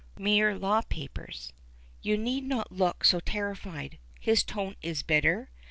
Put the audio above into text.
"Mere law papers. You need not look so terrified." His tone is bitter.